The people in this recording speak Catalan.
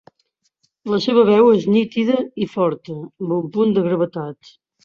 La seua veu és nítida i forta, amb un punt de gravetat.